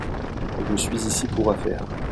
Je suis ici pour affaires.